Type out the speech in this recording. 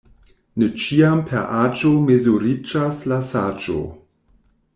Ne ĉiam per aĝo mezuriĝas la saĝo.